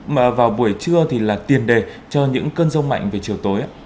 mà vào buổi trưa thì là tiền đề cho những cơn rông mạnh về chiều tối